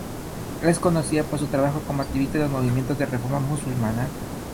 Es conocida por su trabajo como activista en los movimientos de reforma musulmana.